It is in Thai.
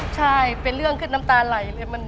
ใช่เป็นเรื่องขึ้นน้ำตาไหลเลย